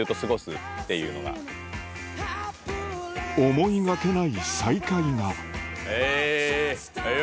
思いがけない再会がＨｅｙ！